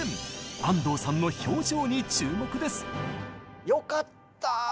安藤さんの表情に注目です！